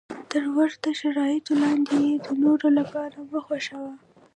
تر ورته شرایطو لاندې یې د نورو لپاره مه خوښوه.